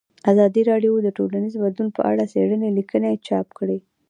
ازادي راډیو د ټولنیز بدلون په اړه څېړنیزې لیکنې چاپ کړي.